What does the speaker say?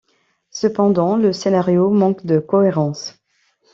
Cependant le scenario manque de cohérence.